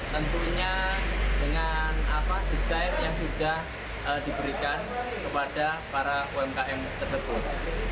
tentunya dengan desain yang sudah diberikan kepada para umkm tersebut